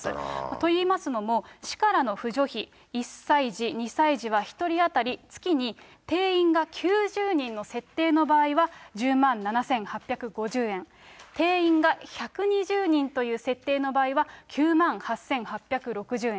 と言いますのも、市からの扶助費、１歳児、２歳児は１人当たり月に定員が９０人の設定の場合は、１０万７８５０円、定員が１２０人という設定の場合は９万８８６０円。